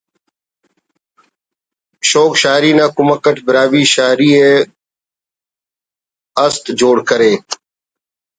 شوگ شاعری نا کمک اٹ براہوئی شاعری ءِ ہست جوڑ کرے